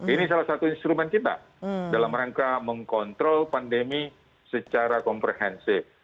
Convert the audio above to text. ini salah satu instrumen kita dalam rangka mengkontrol pandemi secara komprehensif